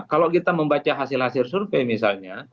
kalau kita membaca hasil hasil survei misalnya